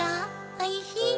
おいしい？